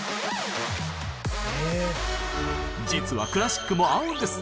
実はクラシックも合うんです！